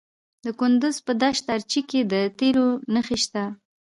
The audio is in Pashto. د کندز په دشت ارچي کې د تیلو نښې شته.